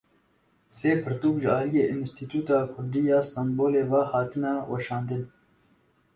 Sê pirtûk ji aliyê Enstîtuya Kurdî ya Stenbolê ve hatine weşandin.